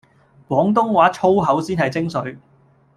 廣東話粗口先係精粹